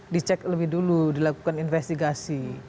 dicek lebih dulu dilakukan investigasi